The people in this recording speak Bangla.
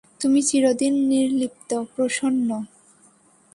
তুমি চিরদিন নির্লিপ্ত, প্রসন্ন।